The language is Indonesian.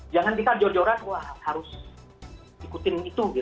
jangan kita jor joran wah harus ikutin itu